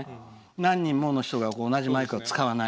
何人もの人が同じマイクを使わない。